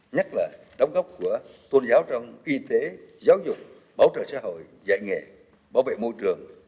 nhất là đóng góp của tôn giáo trong y tế giáo dục bảo trợ xã hội dạy nghề bảo vệ môi trường